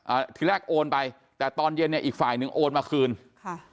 อ่าทีแรกโอนไปแต่ตอนเย็นเนี้ยอีกฝ่ายหนึ่งโอนมาคืนค่ะ